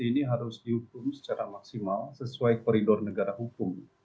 sehingga kemudian tindakan kemampuan tni itu harus dihukum secara maksimal sesuai koridor negara hukum